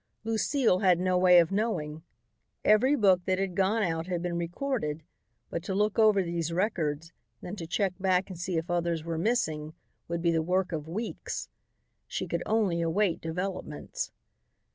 Lucile had no way of knowing. Every book that had gone out had been recorded, but to look over these records, then to check back and see if others were missing, would be the work of weeks. She could only await developments.